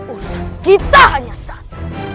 usat kita hanya satu